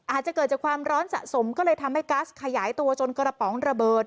อาจจะเกิดจากความร้อนสะสมก็เลยทำให้กัสขยายตัวจนกระป๋องระเบิด